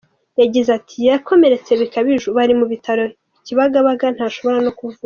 Yagize ati “Yakomeretse bikabije, ubu ari mu bitaro Kibagabaga ntashobora no kuvuga.